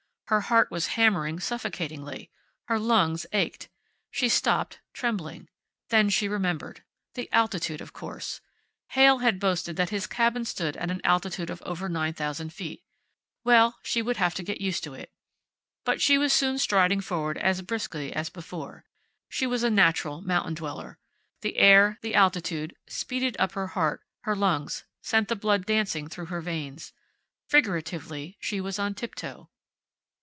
Her heart was hammering suffocatingly. Her lungs ached. She stopped, trembling. Then she remembered. The altitude, of course. Heyl had boasted that his cabin stood at an altitude of over nine thousand feet. Well, she would have to get used to it. But she was soon striding forward as briskly as before. She was a natural mountain dweller. The air, the altitude, speeded up her heart, her lungs, sent the blood dancing through her veins. Figuratively, she was on tip toe.